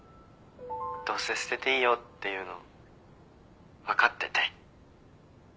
どうせ捨てていいよって言うの分かってて。